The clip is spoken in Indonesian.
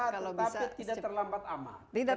tapi tidak terlambat amat